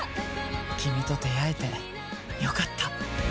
キミと出会えてよかった。